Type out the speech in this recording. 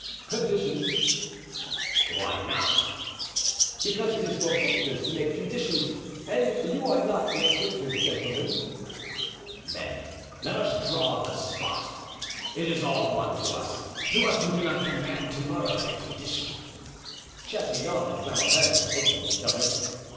"Conditions?" "Why not?" "Because it is for victors to make conditions, and you are not yet victors, gentlemen." "Then let us draw on the spot. It is all one to us—to us who do not command to morrow's expedition." Chatillon and Flamarens looked at each other.